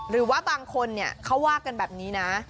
หรือว่าบางคนเนี่ยเขาว่ากันแบบนี้นะ